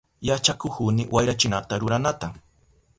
Yachakuhuni wayrachinata ruranata.